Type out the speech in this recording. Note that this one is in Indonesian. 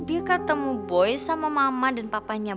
dia ketemu boy sama mama dan papanya